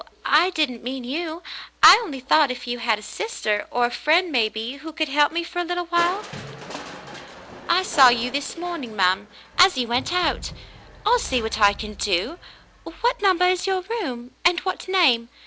I didn't mean you. I only thought if you had a sister — or a friend, maybe, who could help me for a little while." " I saw you this morning, ma'm, as you went out. I'll see what I can do. What number is your room ? and what name